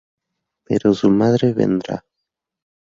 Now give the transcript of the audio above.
Pero su madre vendrá.